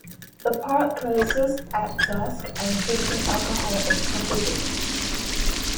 The park closes at dusk and drinking alcohol is prohibited.